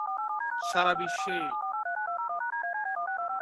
সারা বিশ্বেই।